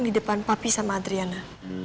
di depan papi sama adriana